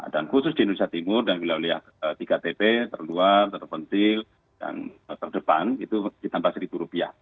dan khusus di indonesia timur dan wilayah wilayah tiga tp terluar terpentil dan terdepan itu ditambah rp satu